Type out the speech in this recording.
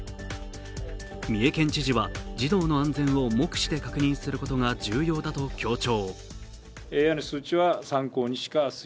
三重県知事は児童の安全を目視で確認することが重要だと強調。